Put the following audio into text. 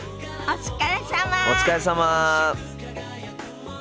お疲れさま。